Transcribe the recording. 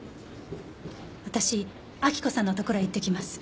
私明子さんのところへ行ってきます。